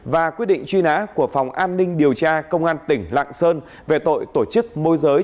và quyết định truy nã của phòng an ninh điều tra công an tỉnh lạng sơn về tội tổ chức môi giới